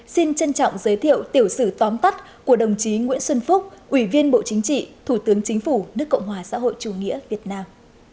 xin trân trọng giới thiệu tiểu sử tóm tắt của đồng chí nguyễn xuân phúc ủy viên bộ chính trị thủ tướng chính phủ nước cộng hòa xã hội chủ nghĩa việt nam